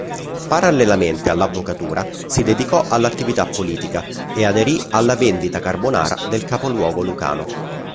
Parallelamente all'avvocatura, si dedicò all'attività politica e aderì alla vendita carbonara del capoluogo lucano.